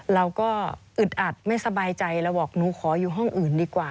อึดอัดไม่สบายใจเราบอกหนูขออยู่ห้องอื่นดีกว่า